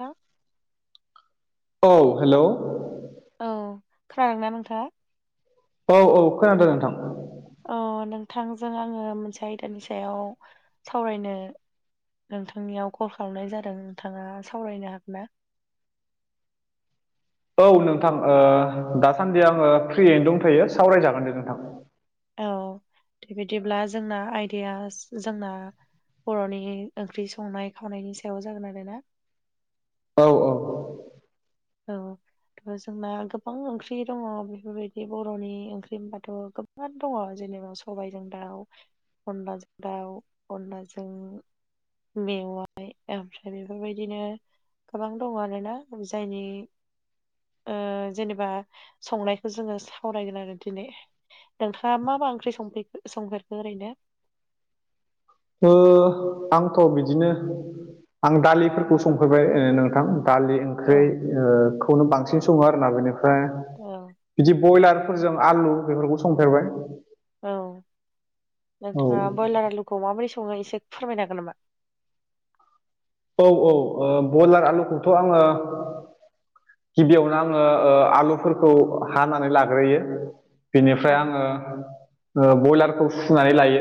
हो औ हेल'। औ खोनादों ना नोंथा? औ-औ खोनादों नोंथां। अ नोंथांजों आङो मोनसे आयदानि सायाव सावरायनो नोंथांनियाव कल खालामनाय जादों नोंथाङा सावरायनो हागोन ना? औ नोंथां ओ दासान्दि आङो फ्रियैनो दंथ'यो सावरायजागोन दे नोंथां। औ दे बिदिब्ला जोंना आयदाया जोंना बर'नि ओंख्रि संनाय खावनायनि सायाव जागोन आरो ना। औ-औ औ थ' जोंना गोबां ओंख्रि दङ बेफोरबायदि बर'नि ओंख्रि होनबाथ'- गोबां दङ जेनेबा सबायाइजों दाउ अनलाजों दाउ अनलाजों- मेवाइ ओमफ्राय बेफोरबायदिनो गोबां दं आरोना जायनि ओ जेनेबा संनायखौ जोङो सावरायगोन आरो दिनै। नोंथाङा मा मा ओंख्रि सफो संफेरखो ओरैनो। ओ आंथ' बिदिनो। आं दालिफोरखौ संफैबाय नोंथां दालि। औ ओंख्रिखौनो बांसिन सङो आरोना बेनिफ्राय। अ। बिदि ब्रयलारफोरजों आलु बेफोरखौ संफेरबाय। औ औ नोंथाङा ब्रयलार आलुखौ माबोरै सङो एसे फोरमायनो हागोन नामा। औ औ ब्रयलार आलुखौथ' आङो। गिबियावनो आङो आलुफोरखौ हानानै लाग्रोयो। बेनिफ्राय औ आङो बयलारखौ सुनानै लायो।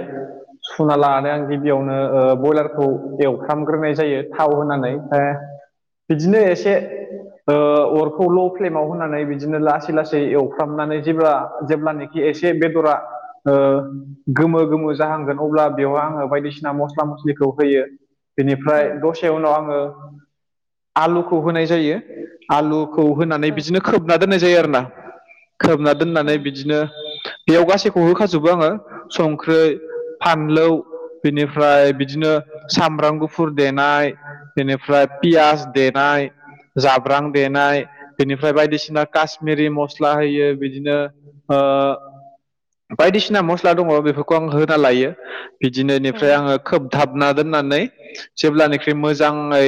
सुना लानानै आं गिबियावनो ब्रयलारखौ एवफ्रामग्रोनाय जायो। थाव होनानै बिदिनो एसे। अरखौ ल' फ्लेमाव होनानै बिदिनो लासै लासै एवफ्रामनानै जेब्ला जेब्लनि। एसे बेदरा। गोमो गोमो जाहांगोन अब्ला बेवहाय आङो बायदिसिना मस्ला मस्लिखौ होयो। बेनिफ्राय औ दसे उनाव आङो आलुखौ होनाय जायो‌। आलुखौ होनानै औ बिदिनो खोबना दोननाय जायो आरो ना खोबना। औ दोननानै बिदिनो बेयाव गासैखौ होखाजोबो आङो। संख्रि फानलौ। बेनिफ्राय बिदिनो सामब्राम गुफुर देनाय। बेनिफ्राय पियास देनाय। जाब्रां देनाय बिनिफ्राय बायदिसिना कश्मिरि मस्ला होयो बिदिनो। बायदिसिना मस्ला दङ बेफोरखौ आं होना लायो। औ बिदिनिफ्राय आङो खोब दाबना दोननानै जेब्लनिख्रुइ मोजाङै।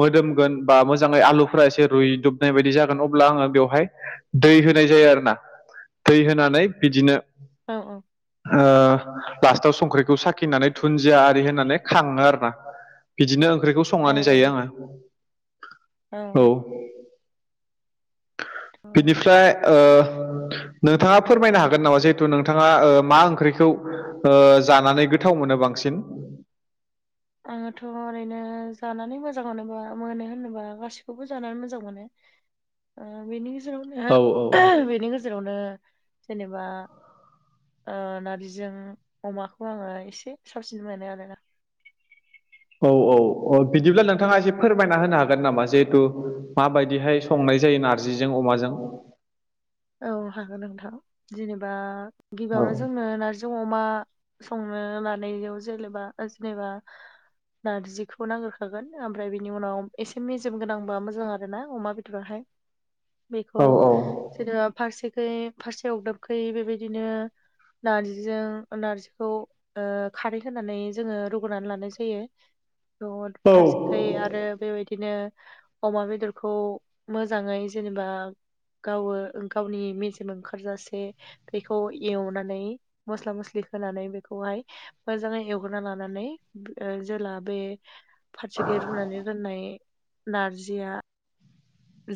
मोदोमगोन बा मोजाङै आलुफोरा एसे रुइदबनाय बायदि जागोन अब्ला आङो बेवहाय। दै होनाय जायो आरो ना दै होनानै बिदिनो। अ औ। लास्टाव संख्रिखौ साखिनानै दुनन्दिया आरि होननानै खाङो आरो ना। बिदिनो ओंख्रिखौ औ संनानै जायो आङो। औ। थ' बिनिफ्राय। नोंथाङा फोरमायनो हागोन नामा जिहेथु नोंथाङा मा ओंख्रिखौ। जानानै गोथाव मोनो बांसिन। आङोथ' ओरैनो जानानै मोजां मोनोबा मोनो होनोबा गाससिखौबो जानानै मोजां मोनो। बेनि औ गेजेरावनो बेनि गेजेरावनो जेनेबा। नारजिजों अमाखौ आङो एसे साबसिन मोननाय आरोना। औ औ औ बिदिब्ला औ नोंथाङा एसे फोर फोरमायना होनो हागोन नामा जिहेतु माबायदिहाय संनाय जायो नारजिजों अमाजों? औ हागोन नोंथां जेनेबा औ गिबियावनो जोंनो नारजि जों अमा संनो लानायाव जेनेबा जेनेबा। नारजिखौबो नागिरखागोन ओमफ्राय बिनि उनाव एसे मेजेम गोनांबा मोजां आर ना अमा बेदरावहाय। औ बेखौ। जेनेबा फारसेखै फारसे अवदाबखै बेबायदिनो नारजिजों नार्जिखौ। ओ खारै होनानै जोङो रुगुनानै लानाय जायो। ज' औ फारसेखै आरो बेबायदिनो अमा बेदरखौ मोजाङै जेनेबा गावो गावनि मेजेम ओंखारजासे‌ बेखौ एवनानै मस्ला मस्लि होनानै बेखौहाय मोजाङै एवग्रा लानानै जेला बे फारसेखाय रुनानै राननाय नारजिया‌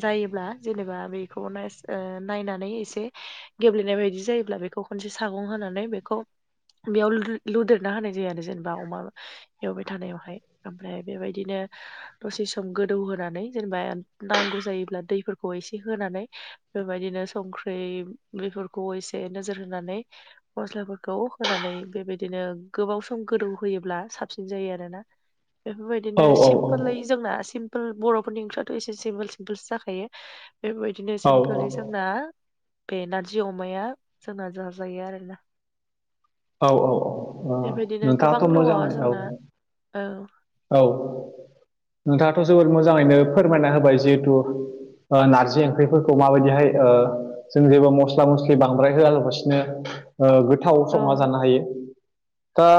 जायोब्ला जेनेबा बेखौनो नायनानै एसे गेब्लेनाय बायदि जायोब्ला बेखौ खनसे सागं होनानै बेखौ बेयाव लुदेरना होनाय जायो आरो जेनेबा अमा एवबाय थानायावहाय ओमफ्राय बेबायदिनो दसे सम गोदौ होनोनानै जेनेबा नांगौ जायोब्ला दैफोरखौ एसे होनानै बेबायदिनो संख्रि बेफोरखौ एसे नोजोर होनानै मस्लाफोरखौ होनानै बेबायदिनो गोबाव सम गोदौ होयोब्ला साबसिन जायो आरोना? औ बेफोरबायदिनो सिमपोलै जोंना सिम्पोल बर'फोरनि ओंख्रियाथ' एसे सिमपोल सिम्पोलस जाखायो बेफोरबायदिनो सिपो औ दा बे नारजि अमाया जोंना जााजायो आरोना? औ औ औ बेबायदिनो गोबां नोंथाङाथ' दङ मोजाङै औ जोंना औ औ नोंथाङाथ' जोबोद मोजाङैनो फोरमायना होबाय जिहेथु नारजि ओंख्रिफोरखौ माबायदिहाय जों जेबो मस्ला मस्लि बांद्राय होआलाबसिनो गोथाव औ समा जानो हायो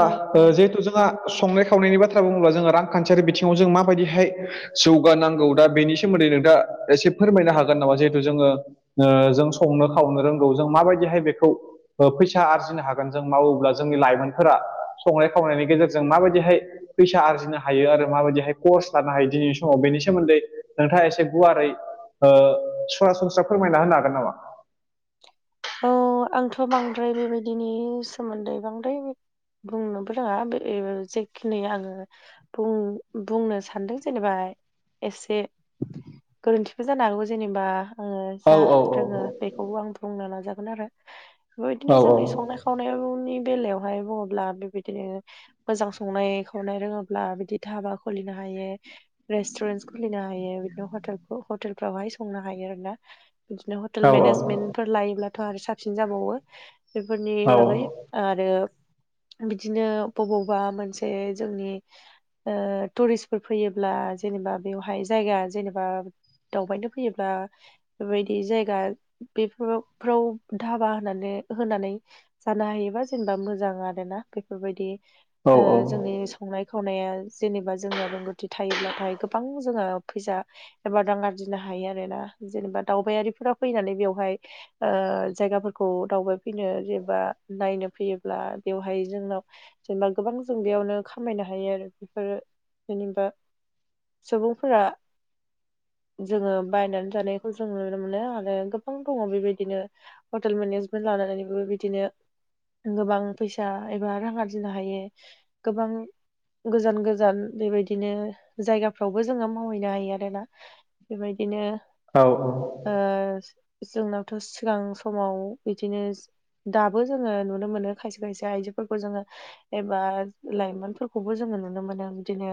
औ औ जिहेथु जोंहा संनाय खावनायनि बाथ्रा बुङोब्ला जोङो रांखान्थियारि बिथिङाव जों माबायदिहाय जौगानांगौ दा बेनि सोमोन्दै नोंथाङा एसे फोरमायनो हागोन नामा जिहेथु जोङो जों संनो खावनो रोंगौ जों माबायदिहाय बेखौ फैसा आरजिनो हागौ जों मावोब्ला जोंनि लाइमोनफोरा संनाय खावनायनि गेजेरजों माबायदिहाय फैसा आरजिनो हायो आरो माबायदिहाय कर्स लानो हायो दिनैनि समाव बेनि सोमोन्दै नोंथाङा एसे गुवारै ओ सरासनस्रा फोरमायना होनो हागोन नामा? औ आंथ' बांद्राय बेबायदिनि सोमोन्दै बांद्राय बुंनोबो रोङा बे जेखिनि आङो बुं बुंनो सान्दों जेनेबा एसे गोरोन्थिबो जानो हागौ जेनेबा आङो औ जा औ रोङो बेखौबो आं बुंनो नाजागोन आरो औ बेबायदिनो जोंनि संनाय खावनाय खावनायनि बेलायावहाय बुङोब्ला बेबायदिनो मोजां संनाय खावनाय रोङोब्ला बिदि धाबा खुलिनो हायो। रेस्टुरेन्टस खुलिनो हायो बिदिनोेल हटेलफ्रावहाय संनो हायो आरो ना? बिदिनो हटेल औ मेनेजमेन्टफोर लायोब्लाथ' आरो साबसिन जाबावो बेफोरनि बागै। आरो बिदिनो बबावबा मोनसे जोंनि टुरिस्फोर फैयोब्ला जेनेबा बेवहाय जायगा जेनेबा दावबायनो फैयोब्ला बेबायदि जायगा बेफोराव फ्राव धाबा होनानै होनानै जानो हायोबा जेनेबा मोजां आरोना बेफोरबायदि औ औ जोंनि संनाय खावनाया जेनेबा जोंनियाव रोंगौथि थायोब्लाथाय गोबां जोंहा फैसा एबा दां आरजिनो हायो आरो ना जेनेबा दावबायारिफोरा फैनानै बेवहाय जायगाफोरखौ दावबायफैनो जेनबा नायनो फैयोब्ला बेवहाय जोंनाव जेनेबा गोबां जों बेयावनो खामायनो हायो आरो बेफोरो जेनेबा सुबुंफोरा जोङो बायनानै जानायखौ जों नुनो मोनो आरो गोबां दङ बेबायदि बिदिनो हटेल मेनेजमेन्ट लानानैबो बिदिनो गोबां फैसा एबा रां आरजिनो हायो गोबां गोजान गोजान बेबायदिनो जायगाफ्रावबो जोङो मावहैनो हायो आरोना बेबायदिनो औ औ जोंनावथ' सिगां समाव बिदिनो दाबो जोङो नुनो मोनो खायसे खायसे आइजोफोरखौ जोङो एबा लाइमोनफोरखौबो जोङो नुनो मोनो बिदिनो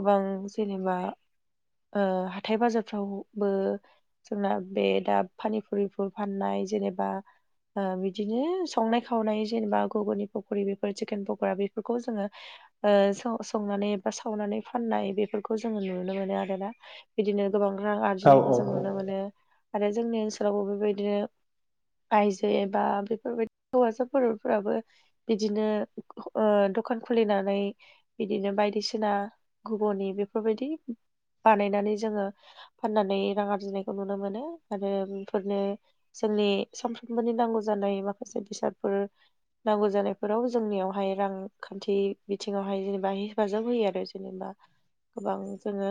गोबां सिनेमा हाथथाय बाजारफ्रावबो जोंना बे दा फानिफुरि बे फाननाय जेनेबा बिदिनो संनाय खावनाय जेनेबा गग'नि पकरि बेफोर चिकेन पक'रा बेफोरखौ जोङो संनानै एा सावनानै फाननाय बेफोरखौ जोङो नुनो मोनो आरोना बिदिनो गोबां रां औ आरजिनायखौ जों नुनो मोनो आरो जोंनि ओनसोलावबो बेबायदिनो आयजो एबा बेफोरबायदि हौवासाफोरफोराबो बिदिनो दखान खुलिनानै बिदिनो बायदिसिना गुबुननि बेफोरबायदि बानायनानै जोङो फाननानै रां आरजिनायखौ नुनो मोनो आरो बेफोरनो जोंनि सानफ्रोमबोनि नांगौ जानाय माखासे बेसादफोर नांगौ जानायफोराव जोंनियावहाय रांखान्थि बिथिङावहाय जेनेबा हेफाजाब होयो आरो जेनेबा गोबां जोङो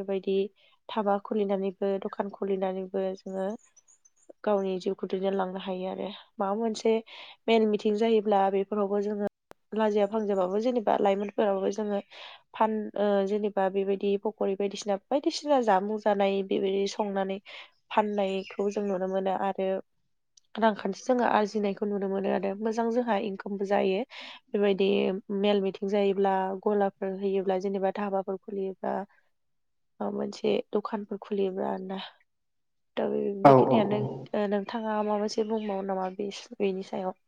बेबायदि थाबा खुलिनानैबो दखान खुलिनानैबो जोङो गावनि जिउखौ दैदेनलांनो हायो आरो माबा मोनसे मेल मिटिं जायोब्ला बेफोरावबो जोङो लाजिया फांजाबाबो जेनेबा लाइमोनफोराबो जोङो फान जेनेबा बेबायदि पक'रि बायदिसिना बायदिसिना जामुं जानाय बेबायदि संनानै फाननायखौ जों नुनो मोनो आरो रांखान्थि जोङो आरजिनायखौ नुनो मोनो आरो मोजां जोंहा बो जायो बेबायदि मेल मिथिं जायोब्ला गलाफोर होयोब्ला जेनेबा धाबाफोर खुलियोब्ला मोनसे दखानफोर खुलियोब्रा आर ना औ औ बेखिनियानो औ नोंथाङा माबा मोनसे बुंबावो नामा बे बेनि सायाव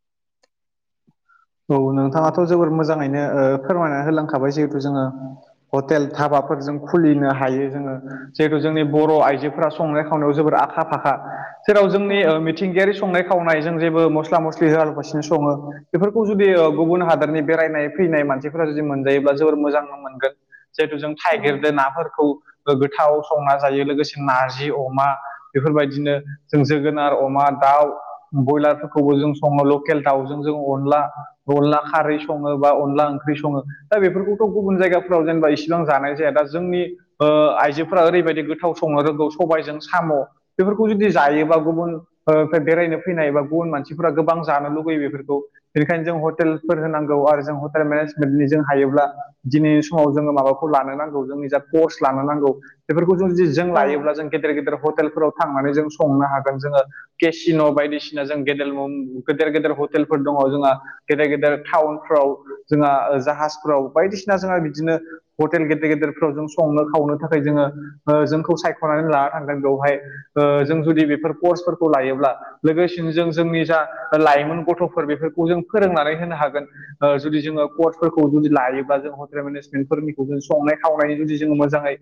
औ नोंथाङाथ' जोबोर मोजाङैनो फोरमायना होलांखाबाय जिहेथु जोङो हटेल थधाबाफोरजों खुलिनो हायो जोङो जिहेथु जोंनि बर' आइजोफोरा संनाय खावनायाव जोबोर आ सा फाखा जेराव औ जोंनि मिथिंगायारि संनाय खावनाय जों जेबो मस्ला मस्लि होआलगासिनो सङो बेफोरखौ जुदि औ गुबुन हादोरनि बेरायनाय फैनाय मानसिफोरा जुदि मोनजायोब्ला जोबोर मोजां मोनगोन जिहेथु जों औ थगिरदो नाफोरखौ गोथाव संना जायो लोगोसे नारजि अमा बेफोरबायदिनो जों जोगोनार अमा दाउ ब्रयलारफोरखौबो जों सङो लकेल दाउजों जों अनला अनला खारै सङो बा अनला ओंख्रि सङो दा बेफोरखौथ' गुबुन जायगाफोराव जेनेबा इसेबां जानाय जाया दा जोंनि आइजोफोरा ओरैबायदि गोथाव संनो रोंगौ सबायजों साम' बेफोरखौ जुदि जायोबा गुबुन ओ बे बेरायनो फैनाय एबा गुबुन मानसिफोरा गोबां जानो लुुबैयो बेफोरखौ। बेनिखायनो जों हटेलफोर होनांगौ आरो जों हटेल मेनेजमेन्टनि जों हायोब्ला दिनैनि समाव जोङो माबाखौ लानो नांगौ जोंनि जा कर्च लानो नांगौ बेफोरखौ जों जुदि जों औ लायोब्ला जों गेदेर गेदेर हटेलफोराव थांनानै जों संनो हागोन जोङो केसिन' बायदिसिना जों गेदेर गेदेर गेदेर हटेलफोर दङ जोंहा गेदेर गेदेर टाउनफ्राव जोंहा जाहाजफ्राव बायदिसिना जोंहा बिदिनो हटेल गेदेर गेदेरफ्राव जों संनो खावनो थाखाय जोङो जोंखौ सायख'नानै लान थांदों बेवहाय जों जुदि बेफोर कर्सफोरखौ लायोब्ला लोगोसेनो जों जोंनि जा लाइमोन गथ'फोर बेफोरखौ जों फोरोंनानै होनो हागोन। जुदि जोङो कर्सफोरखौ जुदि लायोब्ला जों हटेल मेनेजमेन्टफोरनिखौ जों संनाय खावनायनि जुदि जोङो मोजाङै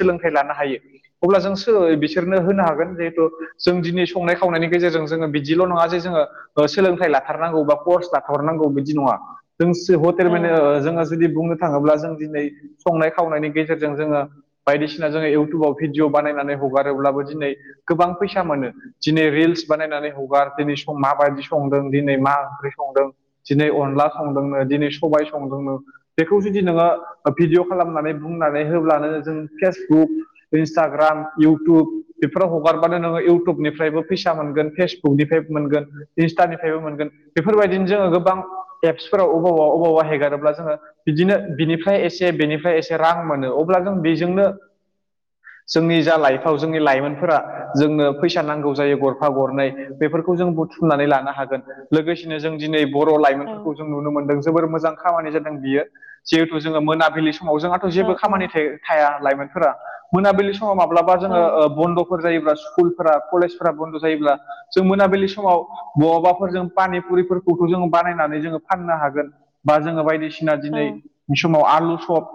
सोलोंथाइ लानो हायो। अब्ला जों सो बिसोरनो होनो हागोन जिहेथु जों दिनै संनाय खावनायनि गेजेरजों जोङो बिदिल' नङा जे जोङो सोलोंथाइ लाथारनांगौ बा कर्च लाथरनांगौ बिदि नङा जोंसो हटेल औ मेने ओ जोङो जुदि बुङो थाङोब्ला जों दिनै संनाय खावनायनि गेजेरजों जोङो बायदिसिना जोङो इउटुबाव भिडिअ' बानायनानै हगारोब्लाबो दिनै गोबां फैसा मोनो। दिनै रिल्स बानायनानै हगार दिनै माबायदि संदों दिनै मा ओंख्रि संदों दिनै अनला संदोंनो दिनै सबाय संदोंनो बेखौ जुदि नोङो भिडिय' खालामनानै बुंनानै होब्लानो जों फेसबुक इन्सटाग्राम इउटुब बेफोराव हगारबानो नोङो इउटुबनिफ्रायबो फैसा मोनगोन फेस बुकनिफ्रायबो मोनगोन इनस्तानिफ्रायबो मोनगोन। बेफोरबायदिनो जोङो गोबां एप्सफोराव अबावबा अबावबा हेगारोब्ला जोङो बिदिनो बिनिफ्राय एसे बेनिफ्राय एसे रां मोनो अब्ला जों बेजोंनो [inaudible] जोंनि जा लाइफआव जोंनि लाइमोनफोरा जोंनो फैसा नांगौ जायो गरफा गरनै बेफोरखौ जों बुथुमनानै लानो हागोन लोगोसेनो जों दिनै बर' औ लाइमोनफोरखौ जों नुनो मोनदों जोबोर मोजां खामानि जादों बियो जिहेथु जोङो मोनाबिलि समाव जों औ जेबो औ खामानि थायो थाया लाइमोनफोरा मोनाबिलि समाव माब्लाबा औ जोङो ओ बन्द' फोर जायोब्ला स्कुलफोरा कलेजफोरा बन्द' जायोब्ला जों मोनाबिलि समाव बहाबाफोर जों पानिफुरिफोरखौथ' जोङो बानायनानै जोङो फाननो हागोन बा जोङो बायदिसिना औ दिनै बे समाव आलु सप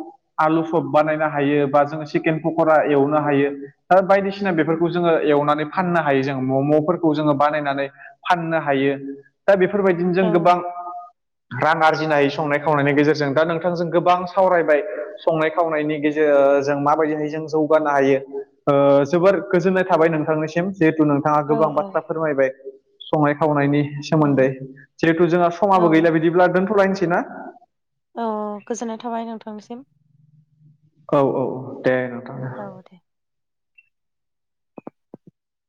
आलु सप बानायनो हायो बा जोङो चिकेन पकरा एवनो हायो दा बायदिसिना बेफोरखौ जोङो एवनानै फाननो हायो जोङो मम'फोरखौ जोङो बानायनानै फाननो हायो दा बेफोरबायदिनो जों गोबां औ रां आरजिनाय संनाय खावनायनि गेजेरजों दा नोंथांजों गोबां सावरायबाय संनाय खावनायनि गेजेर ओ जों माबायदिहाय जों जौगानो हायो ओ जोबोर गोजोननाय थाबाय नोंथांनि सिम जिहेथु नोंथाङा गोबां औ बाथ्रा फोरमायबाय संनाय खावनायनि औ सोमोन्दै जिहेथु जोंहा समाबो गैला बिदिब्ला दोनथ'लायनोसै ना? औ गोजोननाय थाबाय नोंथांनिसिम। औ औ औ दे। नोंथां औ दे।